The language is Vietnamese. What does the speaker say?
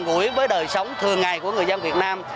gần gũi với đời sống thường ngày của người dân việt nam